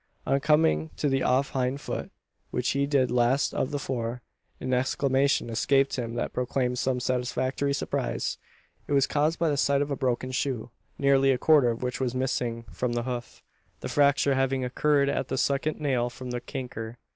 On coming to the off hind foot which he did last of the four an exclamation escaped him that proclaimed some satisfactory surprise. It was caused by the sight of a broken shoe nearly a quarter of which was missing from the hoof, the fracture having occurred at the second nail from the canker.